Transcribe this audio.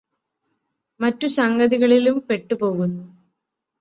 മറ്റു സംഗതികളിലും പെട്ടുപോകുന്നു